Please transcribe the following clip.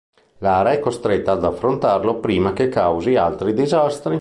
Lara è costretta ad affrontarlo prima che causi altri disastri.